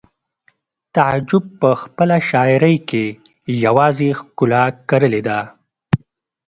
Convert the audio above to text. تعجب په خپله شاعرۍ کې یوازې ښکلا کرلې ده